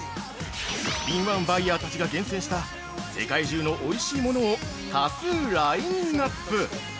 敏腕バイヤーたちが厳選した世界中のおいしいものを多数ラインナップ。